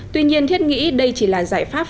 tuy nhiên thiết nghĩ đây chỉ là giải pháp